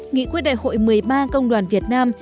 nghị quyết đại hội một mươi ba công đoàn việt nam